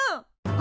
あ！